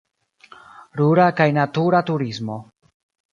Rura kaj natura turismo.